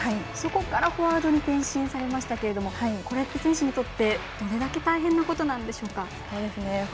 そこからフォワードに転進されましたけどこれって選手にとって、どれだけ大変なことなんでしょうか。